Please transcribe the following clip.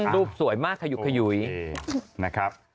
รูปสวยมากขยุก